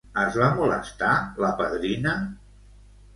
Es va molestar la padrina?